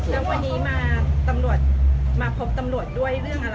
แล้ววันนี้มาพบตำรวจด้วยเรื่องอะไรอะคะ